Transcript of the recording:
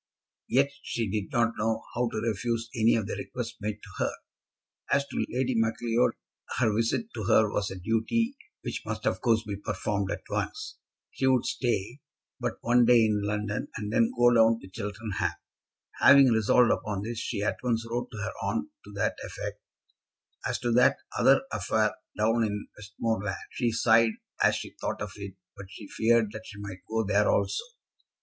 Yet she did not know how to refuse any of the requests made to her. As to Lady Macleod, her visit to her was a duty which must of course be performed at once. She would stay but one day in London, and then go down to Cheltenham. Having resolved upon this she at once wrote to her aunt to that effect. As to that other affair down in Westmoreland, she sighed as she thought of it, but she feared that she must go there also.